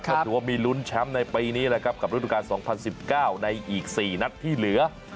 ก็ถือว่ามีลุ้นแชมป์ในปีนี้แหละครับกับฤดูการ๒๐๑๙ในอีก๔นัดที่เหลือ